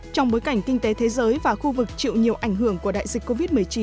trong bối cảnh kinh tế thế giới và khu vực chịu nhiều ảnh hưởng của đại dịch covid một mươi chín